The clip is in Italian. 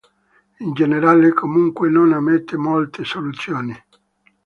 In generale, comunque, non ammette molte soluzioni.